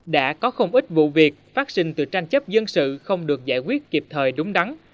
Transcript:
đã có không ít vụ việc phát sinh từ tranh chấp dân sự không được giải quyết kịp thời đúng đắn